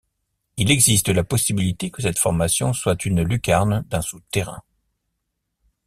Il existe la possibilité que cette formation soit une lucarne d'un souterrain.